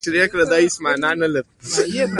تخصیص د پیسو د اندازې اجرا ده.